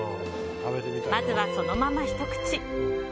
まずは、そのままひと口。